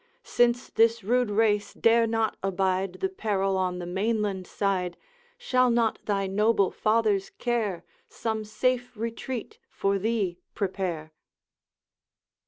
Since this rude race dare not abide The peril on the mainland side, Shall not thy noble father's care Some safe retreat for thee prepare?'